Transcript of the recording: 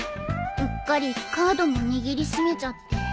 うっかりカードも握り締めちゃって。